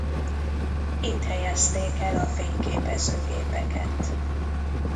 Itt helyezték el a fényképezőgépeket.